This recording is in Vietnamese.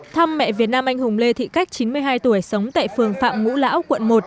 thăm mẹ việt nam anh hùng lê thị cách chín mươi hai tuổi sống tại phường phạm ngũ lão quận một